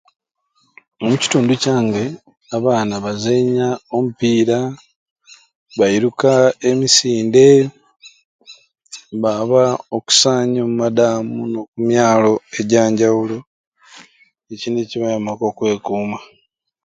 Ye, ekyo kituufu muno, njeena obulamu bwange nyumirwa muno okwitirana n'abantu abalina emikago egindi nibyo bintu byensinga okwenyumirizaamu ntaka kwitirana n'abantu bayaaka amwe bakufuna mikago gindi